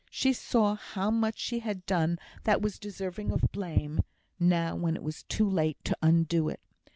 She saw how much she had done that was deserving of blame, now when it was too late to undo it.